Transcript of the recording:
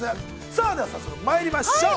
さあ、では早速まいりましょう。